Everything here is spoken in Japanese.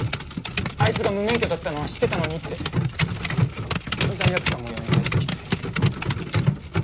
あいつが無免許だったのは知ってたのにって罪悪感もよみがえってきて。